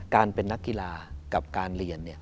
การเป็นนักกีฬากับการเรียน